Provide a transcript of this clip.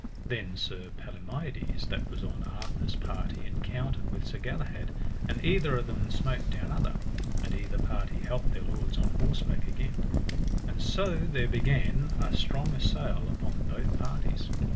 Then Sir Palomides that was on Arthur's party encountered with Sir Galahad, and either of them smote down other, and either party halp their lords on horseback again. So there began a strong assail upon both parties.